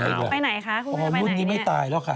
ไปไหนคะคุณอ๋อรุ่นนี้ไม่ตายแล้วค่ะ